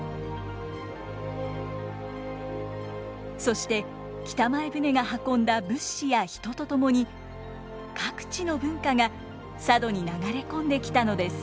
そして北前船が運んだ物資や人と共に各地の文化が佐渡に流れ込んできたのです。